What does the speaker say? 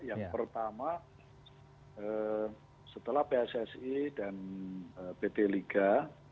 yang pertama setelah pssi dan pt liga